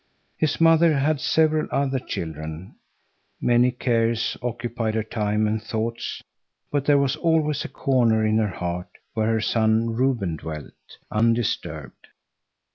His mother had several other children, many cares occupied her time and thoughts, but there was always a corner in her heart where her son Reuben dwelt undisturbed.